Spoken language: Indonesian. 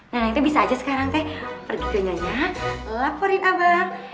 nah itu bisa aja sekarang teh pergi ke nyonya laporin abang